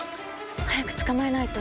早く捕まえないと！